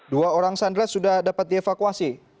dua orang sandra sudah dapat dievakuasi